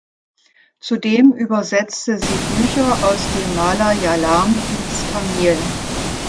Zudem übersetzte sie Bücher aus dem Malayalam ins Tamil.